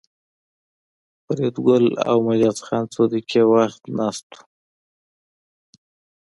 فریدګل او جمال خان څو دقیقې چوپ ناست وو